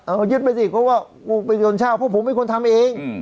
ยึดไปสิเพราะว่ากูไปโยนเช่าเพราะผมเป็นคนทำเอง